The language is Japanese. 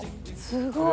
すごい！